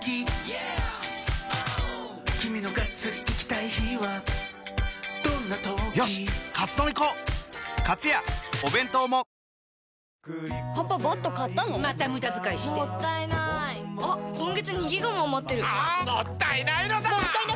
あ‼もったいないのだ‼